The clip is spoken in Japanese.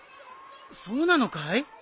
そうなのかい？